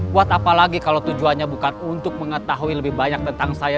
buat apa lagi kalo tujuannya bukan untuk mengetahui lebih banyak tentang saya